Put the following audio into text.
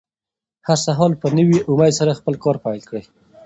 هر سهار په نوي امېد سره خپل کار پیل کړئ.